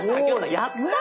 やった！